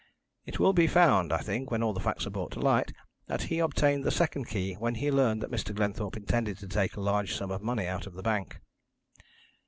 It will be found, I think, when all the facts are brought to light, that he obtained the second key when he learnt that Mr. Glenthorpe intended to take a large sum of money out of the bank.